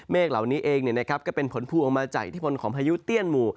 เมคเหล่านี้เองก็เป็นผลผู้ออกมาใจที่ผลของพายุเตี้ยนหมู่